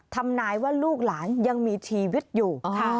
ทำนายว่าลูกหลานยังมีชีวิตอยู่